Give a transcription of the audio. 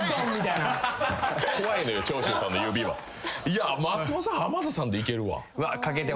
いや松本さん浜田さんでいけるわ。